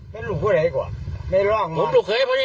อ่อจากที่ทุกข์อยู่ป่ะ